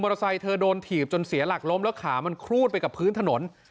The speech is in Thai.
เตอร์ไซค์เธอโดนถีบจนเสียหลักล้มแล้วขามันครูดไปกับพื้นถนน